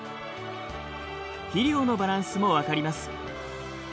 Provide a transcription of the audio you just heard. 肥料のバランスも分かります。